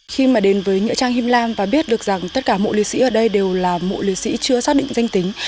khi mà đến với nghĩa trang him lam và biết được rằng tất cả mộ liệt sĩ ở đây đều là mộ liệt sĩ chưa xác định danh tính